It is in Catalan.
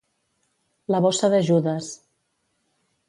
La bossa de Judes.